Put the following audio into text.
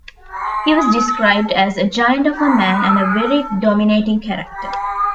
He was described as "a giant of a man, and a very dominating character".